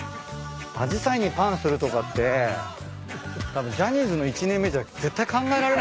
アジサイにパンするとかってたぶんジャニーズの１年目じゃ絶対考えられないと思う。